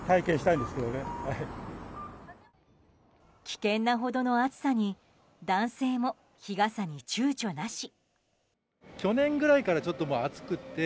危険なほどの暑さに男性も日傘にちゅうちょなし。